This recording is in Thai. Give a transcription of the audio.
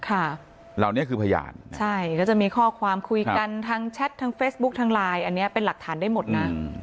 เหล่านี้คือพยานใช่ก็จะมีข้อความคุยกันทั้งแชททางเฟซบุ๊คทางไลน์อันนี้เป็นหลักฐานได้หมดนะ